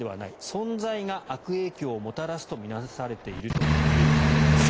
存在が悪影響をもたらすと見なされているということです。